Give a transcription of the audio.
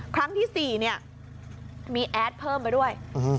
ครั้งที่๔เนี่ยมีแอดเพิ่มไปด้วย